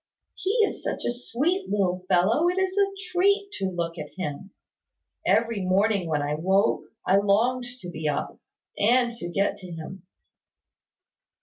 "He is such a sweet little fellow, it is a treat to look at him. Every morning when I woke, I longed to be up, and to get to him."